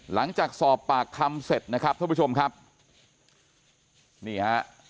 หลังจากสอบปากคำเสร็จนะครับท่านผู้ชมครับนี่ฮะ